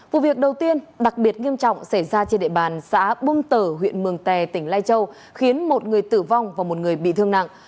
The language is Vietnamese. vụ việc đầu tiên đặc biệt nghiêm trọng xảy ra trên địa bàn xã bông tở huyện mường tè tỉnh lai châu khiến một người tử vong và một người bị thương nặng